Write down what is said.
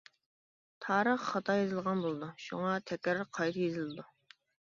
تارىخ خاتا يېزىلغان بولىدۇ، شۇڭا تەكرار قايتا يېزىلىدۇ.